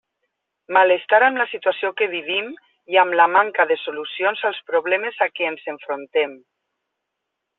Malestar amb la situació que vivim i amb la manca de solucions als problemes a què ens enfrontem.